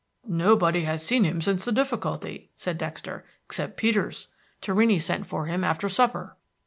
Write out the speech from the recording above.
"Nobody has seen him since the difficulty," said Dexter, "except Peters. Torrini sent for him after supper."